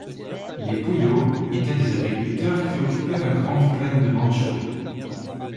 Les Puyŏ étaient des agriculteurs qui occupaient la grande plaine de Mandchourie.